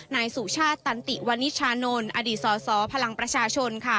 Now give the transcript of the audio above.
นายสุชาติตันติวันนิชานนท์อดีตสสพลังประชาชน